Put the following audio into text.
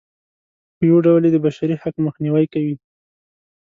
په یوه ډول یې د بشري حق مخنیوی کوي.